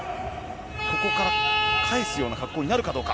ここから返すような格好になるかどうか。